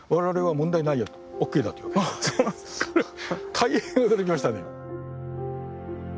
大変驚きましたね。